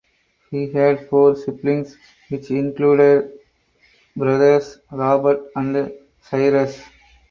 He had four siblings which included brothers Robert and Cyrus.